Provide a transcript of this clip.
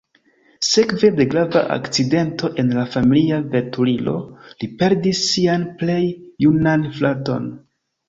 Sekve de grava akcidento en la familia veturilo, li perdis sian plej junan fraton.